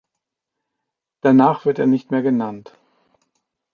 Danach wird er nicht mehr genannt.